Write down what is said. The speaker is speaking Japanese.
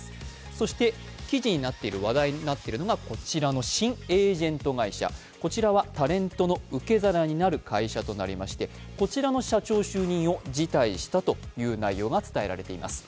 そして、記事になっている、話題になっているのが新エージェント会社、こちらはタレントの受け皿になる会社となりまして、こちらの社長就任を辞退したという内容が伝えられています。